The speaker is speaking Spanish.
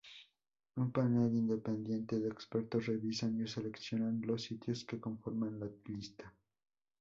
Un panel independiente de expertos revisan y seleccionan los sitios que conforman la lista.